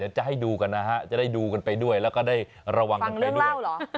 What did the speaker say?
จะให้ดูกันนะฮะจะได้ดูกันไปด้วยแล้วก็ได้ระวังกันไปด้วย